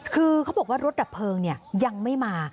คือเขาบอกว่ารถดับเพลิงยังไม่มา